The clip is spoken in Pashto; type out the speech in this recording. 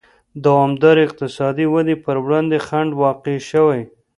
د دوامدارې اقتصادي ودې پر وړاندې خنډ واقع شوی.